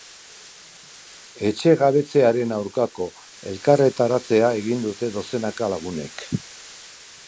Etxegabetzearen aurkako elkarretaratzea egin dute dozenaka lagunek.